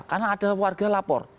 karena ada warga lapor